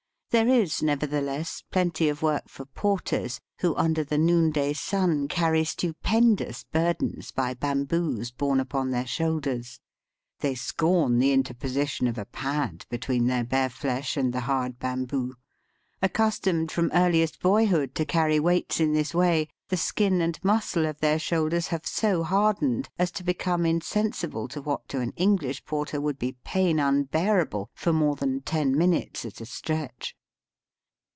There is, nevertheless, plenty of work for porters, who under the noonday sun carry stupendous burdens by bamboos borne upon their shoulders. They scorn the interposition of a pad between their bare flesh and the hard bamboo. Accustomed from earliest boyhood to carry weights in this way, the skin and muscle of their shoulders have so hardened as to become insensible to what to an English porter would be pain unbearable for more than ten minutes at a stretch.